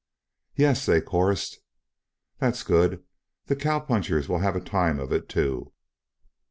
"Yes," they chorused. "That's good. The cowpunchers will have a time of it, too."